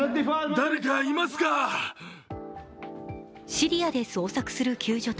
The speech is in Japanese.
シリアで捜索する救助隊。